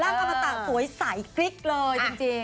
ร่างธรรมตาสวยใสฟิกเลยจริง